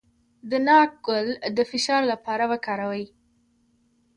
د ناک ګل د فشار لپاره وکاروئ